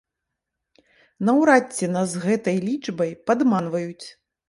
Наўрад ці нас з гэтай лічбай падманваюць.